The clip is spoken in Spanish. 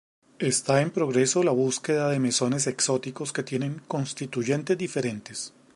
Está en progreso la búsqueda de mesones exóticos que tienen constituyentes diferentes.